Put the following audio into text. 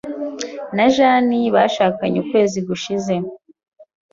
Na Jane bashakanye ukwezi gushize.